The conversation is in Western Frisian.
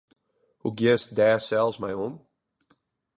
Hoe giest dêr sels mei om?